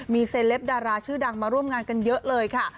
มีเซลปดาราชื่อดังมาร่วมงานกันเยอะเลยค่ะ